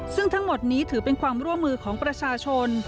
ซึ่งทั้งหมดนี้ถือเป็นความร่วมมือของประชาชน